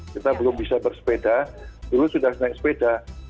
kita belum bisa bersepeda dulu sudah naik sepeda